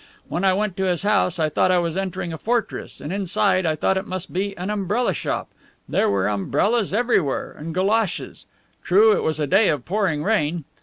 When I went to his house I thought I was entering a fortress, and inside I thought it must be an umbrella shop. There were umbrellas everywhere, and goloshes. True, it was a day of pouring rain.